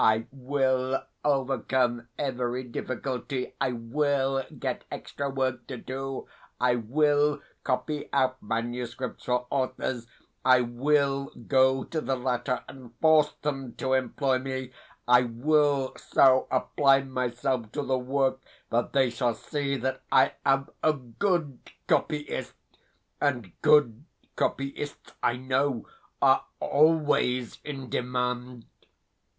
I WILL overcome every difficulty, I WILL get extra work to do, I WILL copy out manuscripts for authors, I WILL go to the latter and force them to employ me, I WILL so apply myself to the work that they shall see that I am a good copyist (and good copyists, I know, are always in demand).